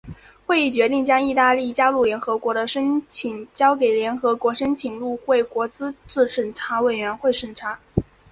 决议决定将意大利加入联合国的申请交给联合国申请入会国资格审查委员会审查。